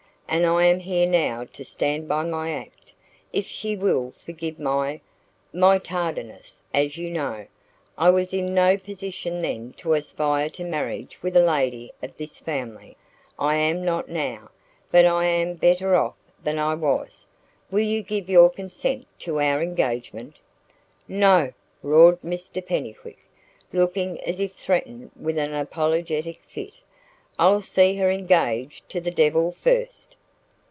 And I am here now to stand by my act. If she will forgive my my tardiness as you know, I was in no position then to aspire to marriage with a lady of this family; I am not now, but I am better off than I was will you give your consent to our engagement?" "No!" roared Mr Pennycuick, looking as if threatened with an apoplectic fit. "I'll see her engaged to the devil first!"